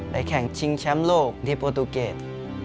ในแข่งชิงแชมป์โลกที่ปอตูเกียร์